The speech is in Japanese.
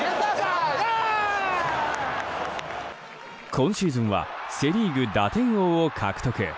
今シーズンはセ・リーグ打点王を獲得。